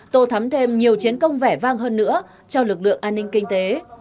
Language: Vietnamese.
tô thắm thêm nhiều chiến công vẻ vang hơn nữa cho lực lượng an ninh kinh tế